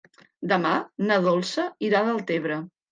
Demà na Dolça irà a Deltebre.